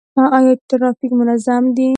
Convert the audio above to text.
آیا ټرافیک منظم دی؟